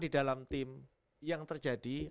di dalam tim yang terjadi